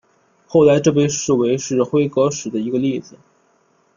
后来这被视为是辉格史的一个例子。